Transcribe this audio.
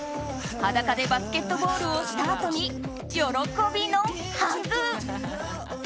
裸でバスケットボールをしたあとに喜びのハグ。